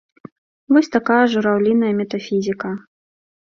Вось такая жураўліная метафізіка.